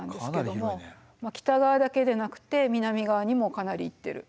北側だけでなくて南側にもかなり行ってる。